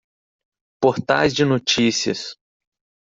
Portais de notícias.